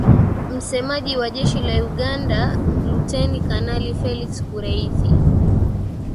msemaji wa jeshi la uganda luteni kanali felix kureithi